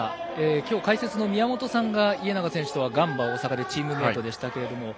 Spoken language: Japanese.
きょう解説の宮本さんが家長選手とはガンバ大阪でチームメートでした。